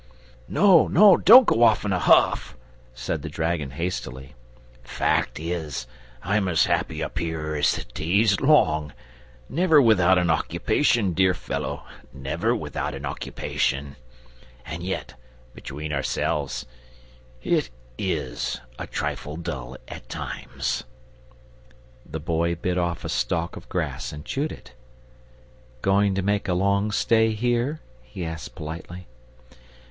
"No, no, don't go off in a huff," said the dragon, hastily; "fact is, I'm as happy up here as the day's long; never without an occupation, dear fellow, never without an occupation! And yet, between ourselves, it IS a trifle dull at times." The Boy bit off a stalk of grass and chewed it. "Going to make a long stay here?" he asked, politely.